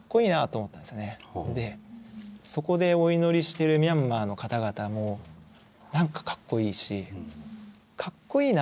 そこでお祈りしてるミャンマーの方々も何かかっこいいし憧れ的なこともありますよね。